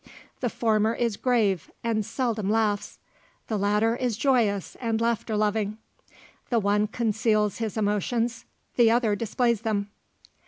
The former is grave and seldom laughs; the latter is joyous and laughter loving, the one conceals his emotions, the other displays them.